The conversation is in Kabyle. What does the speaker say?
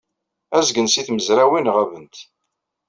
Azgen seg tmezrawin ɣabent.